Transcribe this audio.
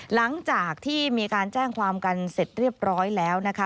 หลังจากที่มีการแจ้งความกันเสร็จเรียบร้อยแล้วนะคะ